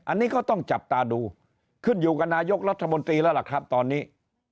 อันนี้ก็ต้องจับตาดูขึ้นอยู่กับนายกรัฐมนตรีแล้วล่ะครับตอนนี้